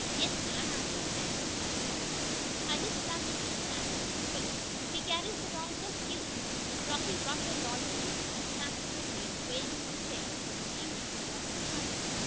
"Yes, Nan," answered flaxen haired Flossie. "I just love to see Snap do that trick! He carries the doll so cute!" Flossie brought her doll to Nan, and Snap stood near, wagging his tail, for he seemed to know what was coming.